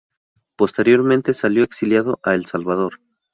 Posteriormente salió exiliado a El Salvador.